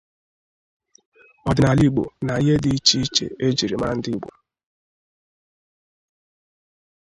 ọdịnala Igbo na ihe dị icheiche e jiri mara ndị Igbo.